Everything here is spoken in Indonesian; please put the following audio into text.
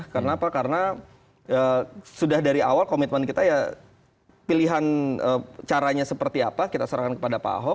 karena apa karena sudah dari awal komitmen kita ya pilihan caranya seperti apa kita serahkan kepada pak ahok